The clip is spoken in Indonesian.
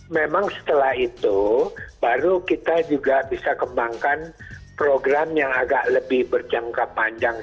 memang setelah itu baru kita juga bisa kembangkan program yang agak lebih berjangka panjang